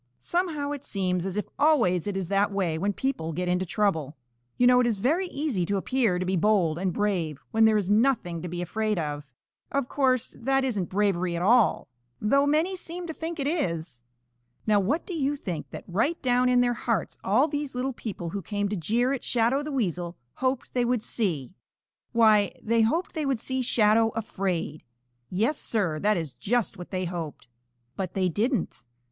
Somehow it seems as if always it is that way when people get into trouble. You know it is very easy to appear to be bold and brave when there is nothing to be afraid of. Of course that isn't bravery at all, though many seem to think it is. [Illustration: IT WASN'T LONG BEFORE SHADOW BEGAN TO RECEIVE MANY VISITORS.] Now what do you think that right down in their hearts all these little people who came to jeer at Shadow the Weasel hoped they would see? Why, they hoped they would see Shadow afraid. Yes, Sir, that is just what they hoped. But they didn't.